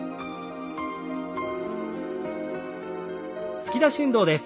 突き出し運動です。